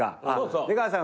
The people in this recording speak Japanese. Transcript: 出川さん